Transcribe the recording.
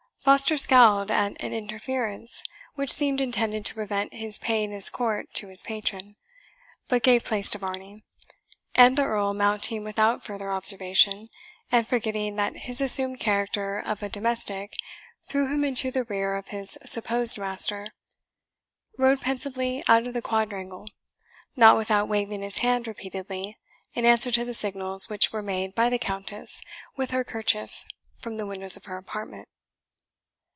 Foster scowled at an interference which seemed intended to prevent his paying his court to his patron, but gave place to Varney; and the Earl, mounting without further observation, and forgetting that his assumed character of a domestic threw him into the rear of his supposed master, rode pensively out of the quadrangle, not without waving his hand repeatedly in answer to the signals which were made by the Countess with her kerchief from the windows of her apartment.